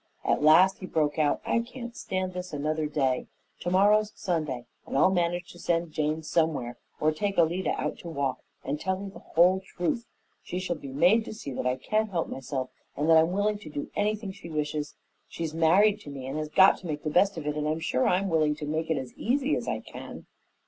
At last he broke out, "I can't stand this another day. Tomorrow's Sunday, and I'll manage to send Jane somewhere or take Alida out to walk and tell her the whole truth. She shall be made to see that I can't help myself and that I'm willing to do anything she wishes. She's married to me and has got to make the best of it, and I'm sure I'm willing to make it as easy as I can."